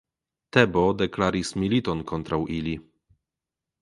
Tebo deklaris militon kontraŭ ili.